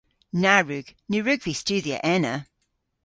Na wrug. Ny wrug vy studhya ena.